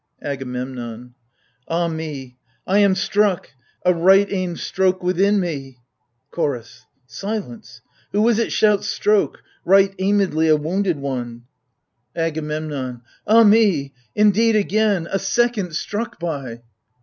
AGAMEMNON. Ah me ! I am struck — a right aimed stroke within me ! CHORDS. Silence ! Who is it shouts ^' stroke "—" right aimedly " a wounded one ? I 2 Ii6 AGAMEMNON. AGAMEMNON. Ah me ! indeed again, — a second, struck by